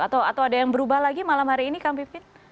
atau ada yang berubah lagi malam hari ini kang pipit